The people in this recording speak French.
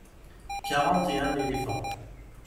quarante et un éléphants.